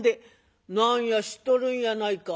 「何や知っとるんやないか。